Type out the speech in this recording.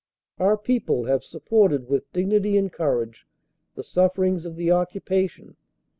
"Our people have supported with dignity and courage the sufferings of the occupation.